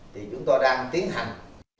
thì chúng tôi đang tiến hành